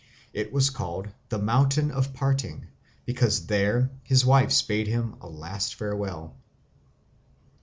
It was called the Mountain of Parting, because there his wives bade him a last farewell.